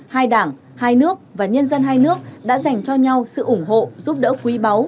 hai đảng hai nước và nhân dân hai nước đã dành cho nhau sự ủng hộ giúp đỡ quý báu